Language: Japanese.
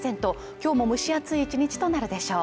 今日も蒸し暑い１日となるでしょう。